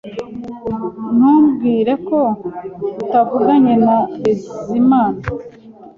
Ntumbwire ko utavuganye na Bizimana